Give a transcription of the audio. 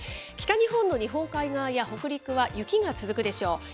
北日本の日本海側や北陸は雪が続くでしょう。